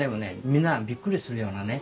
みんながびっくりするようなね